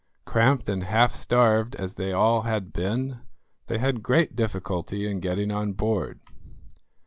Cramped and half starved as they all had been, they had great difficulty in getting on board.